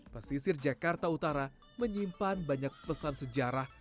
pesisir jakarta utara menyimpan banyak pesan sejarah